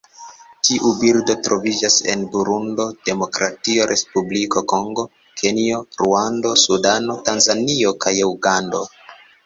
Tiu birdo troviĝas en Burundo, Demokratia Respubliko Kongo, Kenjo, Ruando, Sudano, Tanzanio kaj Ugando.